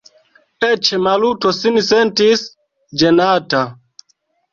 Eĉ Maluto sin sentis ĝenata.